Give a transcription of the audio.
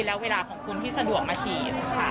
และเวลาของคุณที่สะดวกมาฉีด